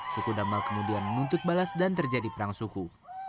suku damal kemudian menuntut balas dan terjadi perang suku